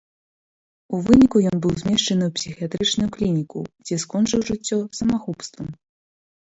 У выніку ён быў змешчаны ў псіхіятрычную клініку, дзе скончыў жыццё самагубствам.